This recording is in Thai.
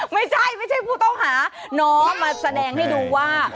ไม่ใช่ไม่ใช่ผู้ต้องหาน้องมาแสดงให้ดูว่า